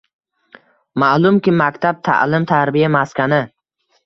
Ma’lumki, maktab — ta’lim-tarbiya maskani.